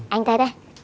anh tây tây